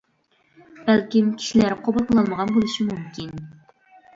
بەلكىم كىشىلەر قوبۇل قىلالمىغان بولۇشى مۇمكىن.